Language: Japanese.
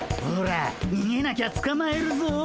ほらにげなきゃつかまえるぞ。